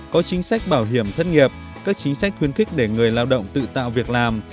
có chính sách bảo hiểm thất nghiệp các chính sách khuyến khích để người lao động tự tạo việc làm